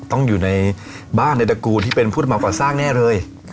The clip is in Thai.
ต้องอยู่ในบ้านในตระกูลที่เป็นผู้รับเหมาก่อสร้างแน่เลย